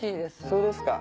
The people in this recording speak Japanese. そうですか。